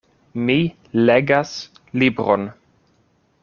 Mi legas libron.